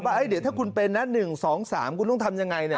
ว่าเดี๋ยวถ้าคุณเป็นนะ๑๒๓คุณต้องทำยังไง